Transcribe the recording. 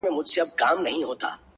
په دې پوهېږمه چي ستا د وجود سا به سم;